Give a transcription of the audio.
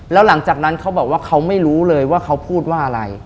แล้วหลังจากนั้นเขาบอกว่าเขาไม่รู้เลยว่าเขาพูดว่าอะไร